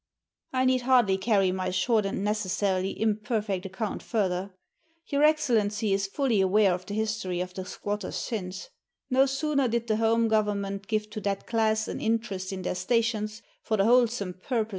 I need hardly carry my short and necessarily imperfect account further. Your Excellency is fully aware of the history of the squatters since. No sooner did the Home Government give to that class an interest in their stations, for the wholesome purpose 154 Letters from Victorian Pioneers.